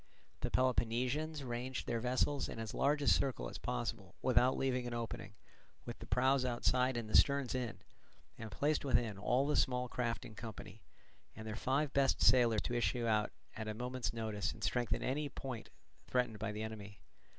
The Peloponnesians ranged their vessels in as large a circle as possible without leaving an opening, with the prows outside and the sterns in; and placed within all the small craft in company, and their five best sailers to issue out at a moment's notice and strengthen any point threatened by the enemy.